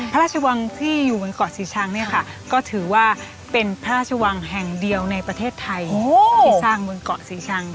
พระราชวังที่อยู่บนเกาะศรีชังเนี่ยค่ะก็ถือว่าเป็นพระราชวังแห่งเดียวในประเทศไทยที่สร้างบนเกาะศรีชัง